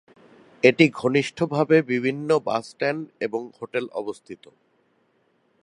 এটি ঘনিষ্ঠভাবে বিভিন্ন বাস স্ট্যান্ড এবং হোটেল অবস্থিত।